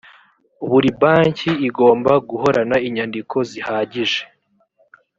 buri banki igomba guhorana inyandiko zihagije